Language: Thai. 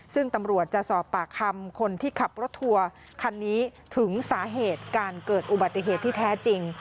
ซึ่งตำรวจจะสอบปากคำคนที่ขับรถทัวร์คันนี้ถึงสาเหตุการเกิดอุบัติเหตุที่แท้จริง